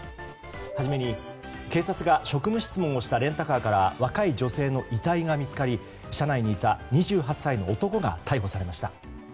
はじめに警察が職務質問をしたレンタカーから若い女性の遺体が見つかり車内にいた２８歳の男が逮捕されました。